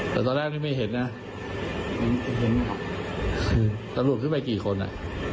แต่ตอนแรกไม่เห็นนะมอบตัวเองตำรวจขึ้นไปกี่คนอ่ะ